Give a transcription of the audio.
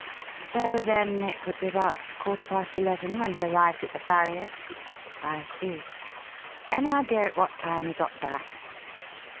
"So then it would be about quarter past eleven when he arrived at the farrier's? I see. Any idea at what time he got back?"